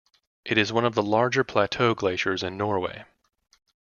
It is one of the larger plateau glaciers in Norway.